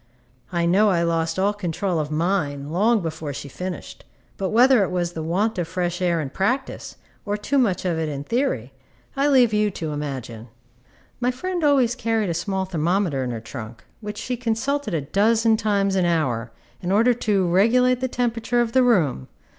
I know I lost all control of mine long before she finished; but whether it was the want of fresh air in practice, or too much of it in theory, I leave you to imagine. My friend always carried a small thermometer in her trunk, which she consulted a dozen times an hour, in order to regulate the temperature of the room.